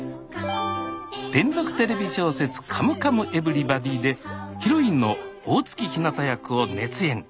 連続テレビ小説「カムカムエヴリバディ」でヒロインの大月ひなた役を熱演。